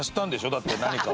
だって何かを。